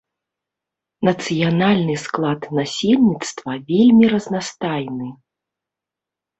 Нацыянальны склад насельніцтва вельмі разнастайны.